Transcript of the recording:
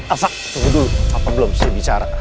elsa tunggu dulu papa belum sih bicara